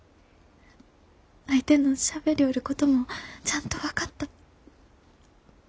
相手のしゃべりょおることもちゃんと分かった。